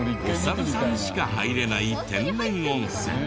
おサルさんしか入れない天然温泉。